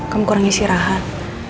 kamu kurang istirahat